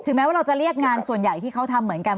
แม้ว่าเราจะเรียกงานส่วนใหญ่ที่เขาทำเหมือนกัน